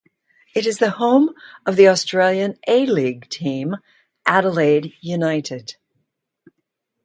It is the home of the Australian A-League team, Adelaide United.